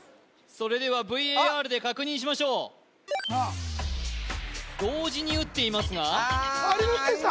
それではＶＡＲで確認しましょう同時に打っていますが張本選手だ！